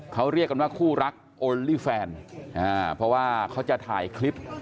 เขาเรียกกันว่าคู่รักโอลลี่แฟนเพราะว่าเขาจะถ่ายคลิป